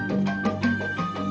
kamu mau ke kantor